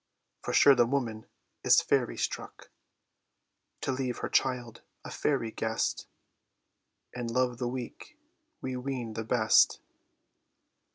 For sure the woman is fairy struck, To leave her child a fairy guest, And love the weak, wee wean the best!"